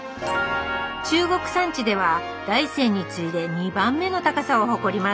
中国山地では大山に次いで２番目の高さを誇ります